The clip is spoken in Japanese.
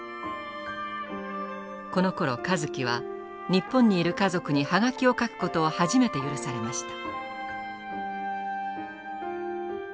このころ香月は日本にいる家族に葉書を書くことを初めて許されました。